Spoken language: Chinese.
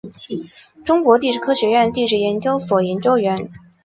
中国地质科学院地质研究所研究员。